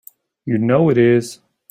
You know it is!